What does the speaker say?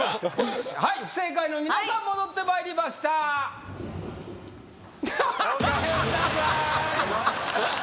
はい不正解の皆さん戻ってまいりましたははははっ